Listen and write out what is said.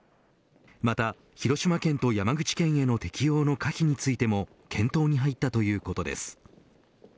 また広島県と山口県の適用の可否についても検討に入ったということです。